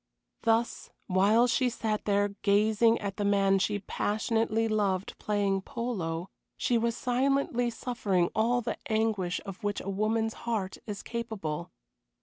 Thus while she sat there gazing at the man she passionately loved playing polo, she was silently suffering all the anguish of which a woman's heart is capable.